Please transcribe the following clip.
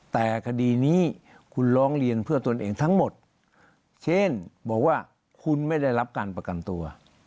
แต่คดีนี้คุณร้องเรียนเพื่อตนเองทั้งหมดเช่นบอกว่าคุณไม่ได้รับการประกันตัว